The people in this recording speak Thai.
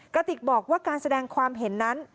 กระติกบอกว่าการแสดงความเห็นนั้น